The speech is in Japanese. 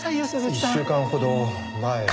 １週間ほど前。